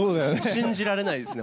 信じられないですね。